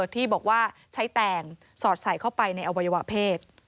ที่บอกว่าใช้แตงสอดใส่เข้าไปในอวัยวะเพศ